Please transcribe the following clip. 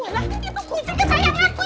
walah itu kucing kesayanganku